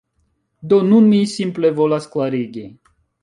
Do, nun mi simple volas klarigi